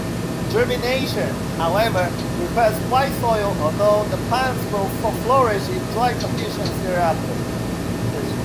Germination, however, requires wet soil although the plants will flourish in dry conditions thereafter.